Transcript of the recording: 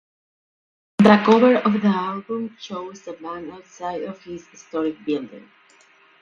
The cover of the album shows the band outside of this historic building.